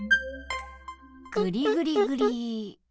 ぐりぐりぐり。